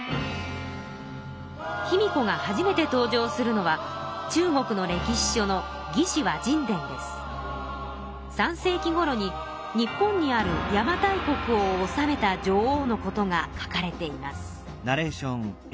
卑弥呼が初めて登場するのは中国の歴史書の３世紀ごろに日本にある邪馬台国を治めた女王のことが書かれています。